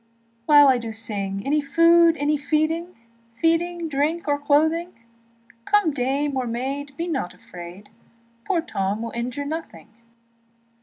And now I sing, Any food, any feeding, Feeding, drink, or clothing; Come dame or maid, be not afraid, Poor Tom will injure nothing.